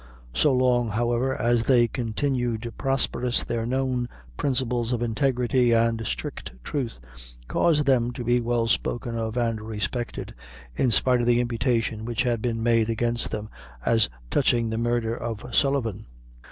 So long, however, as they continued prosperous, their known principles of integrity and strict truth caused them to be well spoken of and respected, in spite of the imputation which had been made against them as touching the murder of Sullivan.